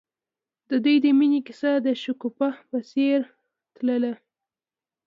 د دوی د مینې کیسه د شګوفه په څېر تلله.